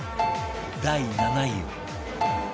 第７位は